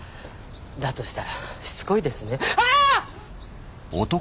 だとしたらしつこいですねアアッ